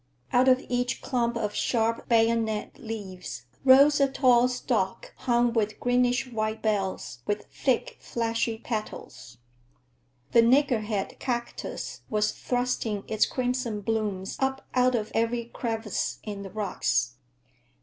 Out of each clump of sharp bayonet leaves rose a tall stalk hung with greenish white bells with thick, fleshy petals. The niggerhead cactus was thrusting its crimson blooms up out of every crevice in the rocks.